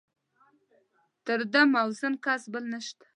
تر ده موزون کس بل نشته.